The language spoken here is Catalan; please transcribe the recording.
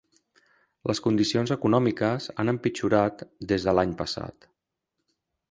Les condicions econòmiques han empitjorat des de l'any passat.